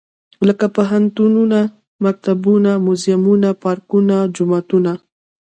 لکه پوهنتونه ، مکتبونه موزيمونه، پارکونه ، جوماتونه.